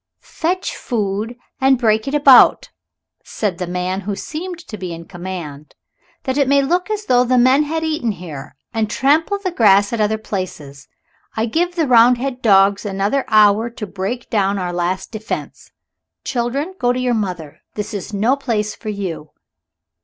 "Fetch food and break it about," said the man who seemed to be in command, "that it may look as though the men had eaten here. And trample the grass at other places. I give the Roundhead dogs another hour to break down our last defense. Children, go to your mother. This is no place for you."